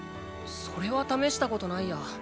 それは試したことないや。